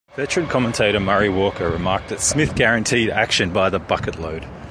Veteran commentator Murray Walker remarked that Smith "guaranteed action by the bucket-load".